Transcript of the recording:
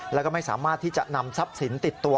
แล้วก็ไม่สามารถที่จะนำทรัพย์สินติดตัว